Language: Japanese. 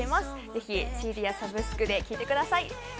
ぜひＣＤやサブスクで聴いてください。